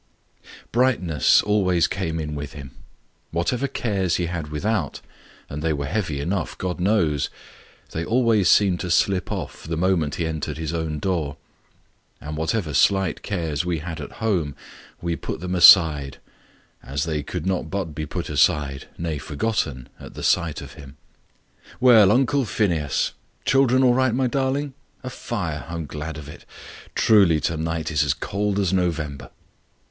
Brightness always came in with him. Whatever cares he had without and they were heavy enough, God knows they always seemed to slip off the moment he entered his own door; and whatever slight cares we had at home, we put them aside; as they could not but be put aside, nay, forgotten at the sight of him. "Well, Uncle Phineas! Children all right, my darling? A fire! I'm glad of it. Truly to night is as cold as November."